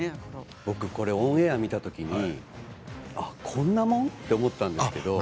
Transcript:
僕オンエアを見た時にこんなもん？って思ったんです。